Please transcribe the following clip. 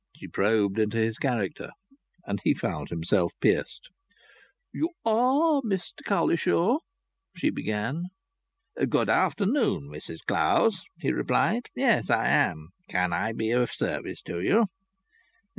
She probed into his character, and he felt himself pierced. "You are Mr Cowlishaw?" she began. "Good afternoon, Mrs Clowes," he replied. "Yes, I am. Can I be of service to you?"